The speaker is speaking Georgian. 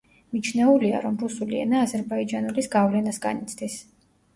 მიჩნეულია რომ რუსული ენა აზერბაიჯანულის გავლენას განიცდის.